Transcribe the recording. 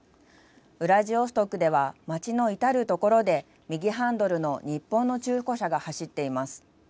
ウラジオストクでは街の至る所で右ハンドルの日本の中古車が走っています。